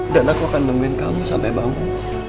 dan aku akan nungguin kamu sampai bangun